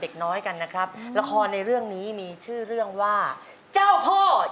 โอ้โฮโหยยยยยยยยยยยยิ่งใหญ่มาก